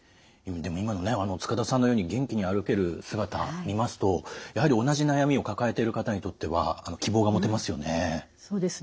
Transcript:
でも今のね塚田さんのように元気に歩ける姿見ますとやはり同じ悩みを抱えてる方にとっては希望が持てますよね。